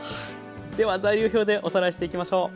では材料表でおさらいしていきましょう。